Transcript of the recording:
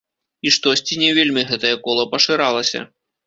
І штосьці не вельмі гэтае кола пашыралася.